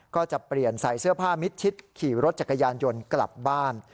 ก็จะเปลี่ยนใส่เสื้อผ้ามิดชิดขี่รถจักรยานยนต์กลับบ้าน